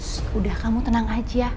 sudah kamu tenang aja